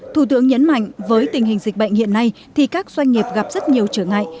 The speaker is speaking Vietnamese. thủ tướng nhấn mạnh với tình hình dịch bệnh hiện nay thì các doanh nghiệp gặp rất nhiều trở ngại